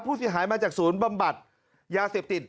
ผู้เสียหายมาจากศูนย์บำบัดยาเสพติด